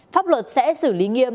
pháp luật sẽ xử lý nghiêm